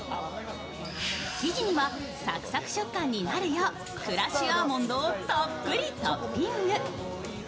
生地には、サクサク食感になるようクラッシュアーモンドをたっぷりトッピング。